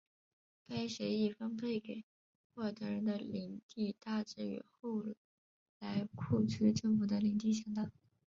该协议分配给库尔德人的领地大致与后来库区政府的领地相当。